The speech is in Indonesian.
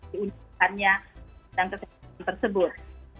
di undang undang kesehatan tersebut